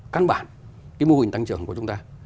căn bản cái mô hình tăng trưởng của chúng ta